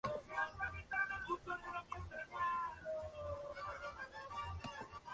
Las tiras diarias a menudo constaban a menudo de una única viñeta.